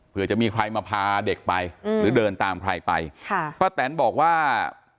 เพื่อจะมีใครมาพาเด็กไปหรือเดินตามใครไปค่ะป้าแตนบอกว่า